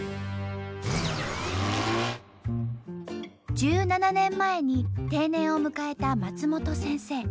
１７年前に定年を迎えた松本先生。